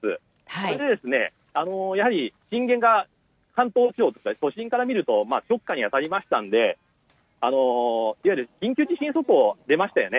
それで、やはり震源が関東地方と都心から見ると直下に当たりましたのでいわゆる緊急地震速報が出ましたよね。